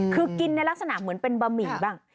คือกินในลักษณะเหมือนเป็นบะหมี่บ้าง